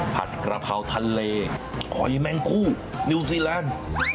ผัดกระเพราทะเลหอยแมงคู่นิวซีแลนด์